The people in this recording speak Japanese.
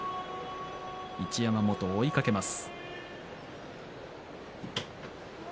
一山本を追いかけます。